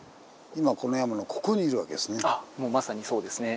今この山のここにいるわけですね。